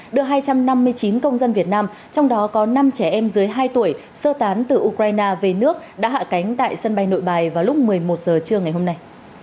đưa hai trăm năm mươi chín công dân việt nam trong đó có năm trẻ em dưới hai tuổi sơ tán từ ukraine về nước đã hạ cánh tại sân bay nội bài vào lúc một mươi một giờ trưa ngày hôm nay